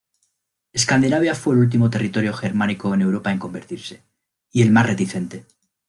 Escandinavia fue el último territorio germánico en Europa en convertirse y el más reticente.